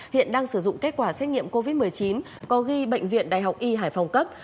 hiện đang sử dụng kết quả xét nghiệm covid một mươi chín có ghi bệnh viện đại học y hải phòng cấp